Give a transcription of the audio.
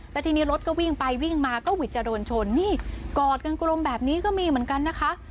แล้วทีนี้รถก็วิ่งไปวิ่งมาก็หวิดจะโดนชนนี่กอดกันกลมแบบนี้ก็มีเหมือนกันนะคะ